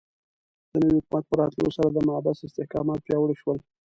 د نوي حکومت په راتلو سره د محبس استحکامات پیاوړي شول.